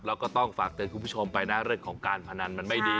แล้วก็ต้องฝากเตือนคุณผู้ชมไปนะเรื่องของการพนันมันไม่ดี